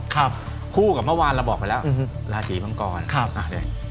คู่กับเมื่อวานเราบอกไปแล้วลาสีมังกร